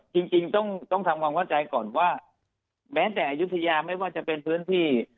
จริงต้องทำความเข้าใจก่อนว่าแม้แต่อายุทยาไม่ว่าจะเป็นพื้นที่